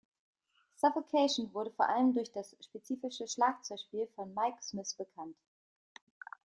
Suffocation wurden vor allem durch das spezifische Schlagzeugspiel von Mike Smith bekannt.